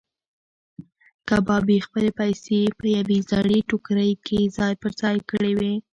کبابي خپلې پیسې په یوې زړې ټوکرۍ کې ځای پر ځای کړې وې.